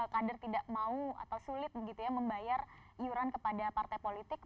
kader tidak mau atau sulit begitu ya membayar iuran kepada partai politik